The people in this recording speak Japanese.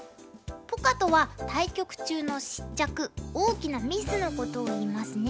ポカとは対局中の失着大きなミスのことをいいますね。